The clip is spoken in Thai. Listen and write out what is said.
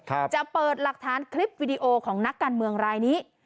จะเปิดหลักฐานคลิปวิดีโอของนักการเมืองรายนี้